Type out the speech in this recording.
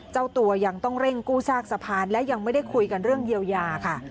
เจ้าตัวยังต้องเร่งกู้ซากสะพานและยังไม่ได้คุยกันเรื่องเยียวยาค่ะ